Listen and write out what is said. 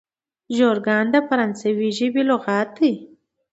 ژورګان د فرانسوي ژبي لغات دئ.